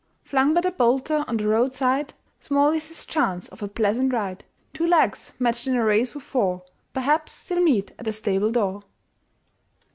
Flung by the bolter on the roadside Small is his chance of a pleasant ride. Two legs matched in a race with four Perhaps they'll meet at the stable door.